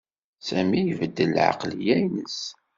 Sami ibeddel lɛeqleyya-ines.